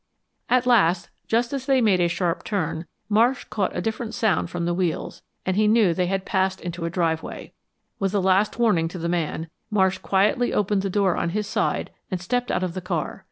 At last, just as they made a sharp turn, Marsh caught a different sound from the wheels, and he knew they had passed into a driveway. With a last warning to the man, Marsh quietly opened the door on his side and stepped out of the car.